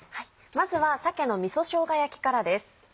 まずは鮭のみそしょうが焼きからです。